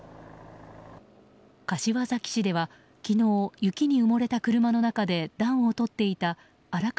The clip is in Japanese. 柏崎市では昨日、雪に埋もれた車の中で暖をとっていた荒川